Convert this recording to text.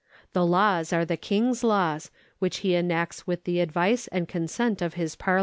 The laws are the King's laws, which he enacts with the advice and consent of his Parliament.